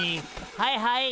はいはい。